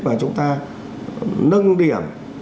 mà chúng ta nâng điểm